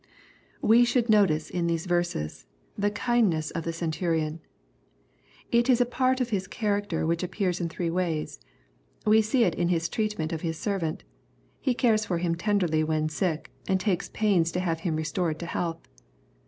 We should notice in these verses the kindness of the centurion. It is a part of his character which appears in three ways. We see it in his treatment of his servant. He cares for him tenderly when sick, and takes pains to have him restored to health.